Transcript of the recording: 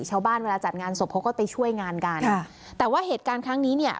เวลาจัดงานศพเขาก็ไปช่วยงานกันค่ะแต่ว่าเหตุการณ์ครั้งนี้เนี่ย